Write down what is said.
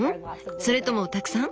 それともたくさん？